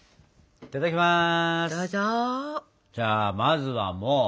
いただきます。